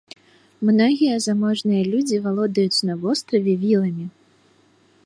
Многія заможныя людзі валодаюць на востраве віламі.